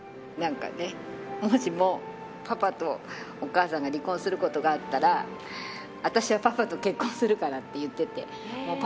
もしもパパとお母さんが離婚することがあったら私はパパと結婚するからって言っていて。